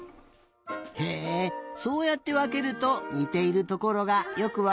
へえそうやってわけるとにているところがよくわかるね。